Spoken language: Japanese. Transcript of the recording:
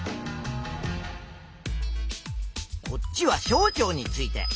こっちは小腸について。